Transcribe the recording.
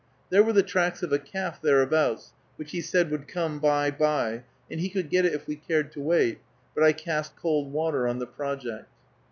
There were the tracks of a calf thereabouts, which he said would come "by, by," and he could get it if we cared to wait, but I cast cold water on the project.